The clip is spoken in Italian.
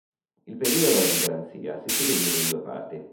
Il periodo di garanzia si suddivide in due parti.